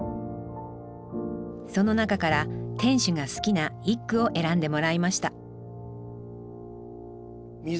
その中から店主が好きな一句を選んでもらいました「水洟」。